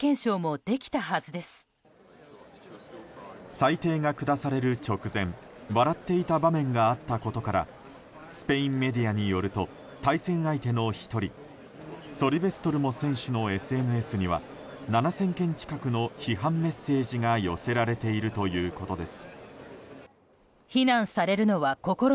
裁定が下される直前笑っていた場面があったことからスペインメディアによると対戦相手の１人ソリベストルモ選手のＳＮＳには７０００件近くの批判メッセージが寄せられているということです。